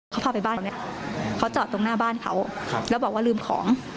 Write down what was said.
เขาพาไปบ้านตรงนี้เขาจอดตรงหน้าบ้านเขาแล้วบอกว่าลืมของ